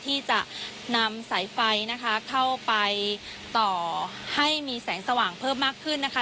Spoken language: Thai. ที่จะนำสายไฟนะคะเข้าไปต่อให้มีแสงสว่างเพิ่มมากขึ้นนะคะ